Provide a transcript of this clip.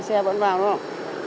xe vẫn vào đúng không